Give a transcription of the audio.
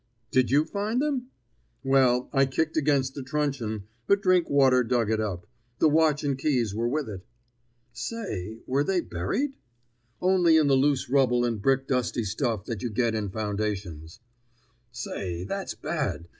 "Did you find them?" "Well, I kicked against the truncheon, but Drinkwater dug it up. The watch and keys were with it." "Say, were they buried?" "Only in the loose rubble and brick dusty stuff that you get in foundations." "Say, that's bad!